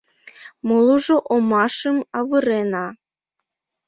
Молыжо омашым авырена.